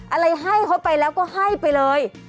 อะไรให้เขาไปแล้วก็ให้ไปเลย